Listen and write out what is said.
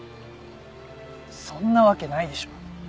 そんなわけないでしょ。